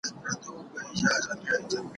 لوی، خوی، زوی، بوی، دوی، جوی